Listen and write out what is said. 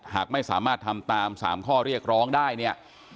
หากไม่สามารถทำตาม๓ข้อเรียกร้องได้เนี่ย